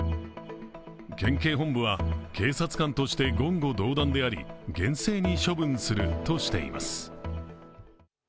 県警本部は警察官として言語道断であり厳正に処分するとしています。